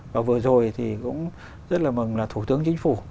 và vừa rồi thì cũng rất là mừng là thủ tướng chính phủ